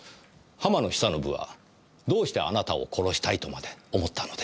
浜野久信はどうしてあなたを殺したいとまで思ったのでしょう？